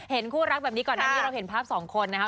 คู่รักแบบนี้ก่อนหน้านี้เราเห็นภาพสองคนนะครับ